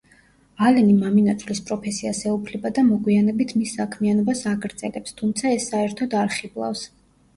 ალენი მამინაცვლის პროფესიას ეუფლება და მოგვიანებით მის საქმიანობას აგრძელებს, თუმცა ეს საერთოდ არ ხიბლავს.